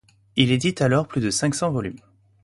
Il édite alors plus de cinq cents volumes.